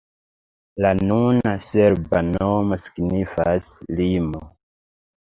La nuna serba nomo signifas: limo.